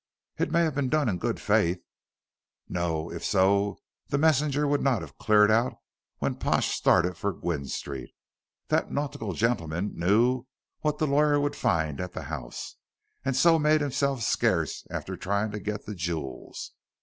"It may have been done in good faith." "No. If so, the messenger would not have cleared out when Pash started for Gwynne Street. That nautical gent knew what the lawyer would find at the house, and so made himself scarce after trying to get the jewels.